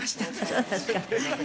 そうですか。